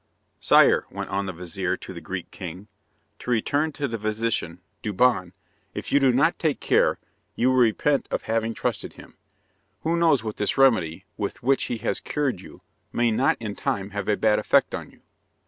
"Sire," went on the vizir to the Greek king, "to return to the physician, Douban. If you do not take care, you will repent of having trusted him. Who knows what this remedy, with which he has cured you, may not in time have a bad effect on you?"